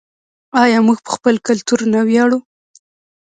آیا موږ په خپل کلتور نه ویاړو؟